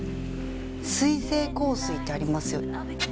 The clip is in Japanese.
水性香水ってありますよ。